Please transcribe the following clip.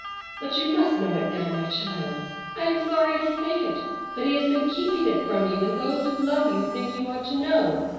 But you must know it now, my child. I am sorry to say it, but he has been keeping it from you, and those who love you think you ought to know.